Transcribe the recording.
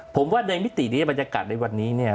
ผมว่าในมิตินี้บรรยากาศในวันนี้เนี่ย